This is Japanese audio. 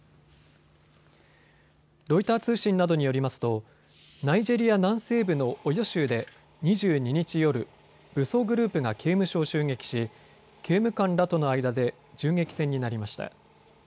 ロイター通信などによりますとナイジェリア南西部のオヨ州で２２日夜、武装グループが刑務所を襲撃し刑務官らとの間で銃撃戦になりました。